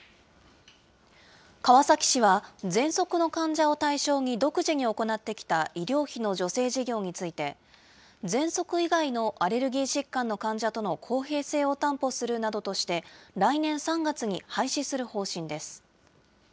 川崎市は、ぜんそくの患者を対象に独自に行ってきた医療費の助成事業について、ぜんそく以外のアレルギー疾患の患者との公平性を担保するなどとして、来年３月に廃止する方針です。